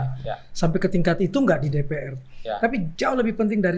perjuangan yang lain misalnya sampai ke tingkat itu nggak di dpr tapi jauh lebih penting dari